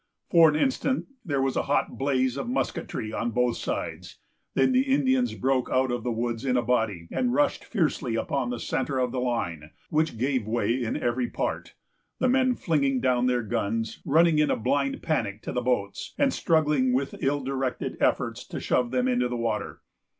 For an instant, there was a hot blaze of musketry on both sides; then the Indians broke out of the woods in a body, and rushed fiercely upon the centre of the line, which gave way in every part; the men flinging down their guns, running in a blind panic to the boats, and struggling with ill directed efforts to shove them into the water.